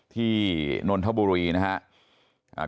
ที่นวลธบุรีนะครับ